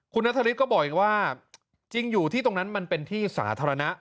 คุณนัทธริสก็บอกอีกว่าจริงอยู่ที่ตรงนั้นมันเป็นที่สาธารณะ